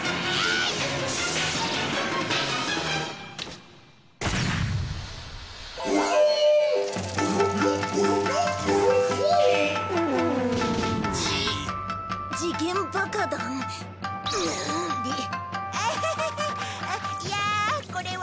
いやこれはその。